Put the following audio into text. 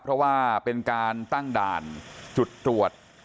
เพราะว่าเป็นการตั้งด่านจุดตรวจ